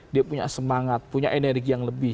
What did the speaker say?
dia punya semangat punya energi yang lebih